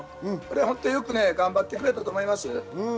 本当によく頑張ってくれたと思います。